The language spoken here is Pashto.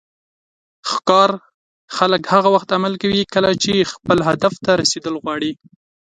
ښکار خلک هغه وخت عمل کوي کله چې خپل هدف ته رسیدل غواړي.